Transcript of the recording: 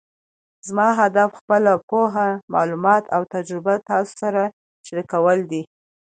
زما هدف خپله پوهه، معلومات او تجربه تاسو سره شریکول دي